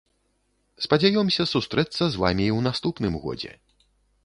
Спадзяёмся сустрэцца з вамі і ў наступным годзе.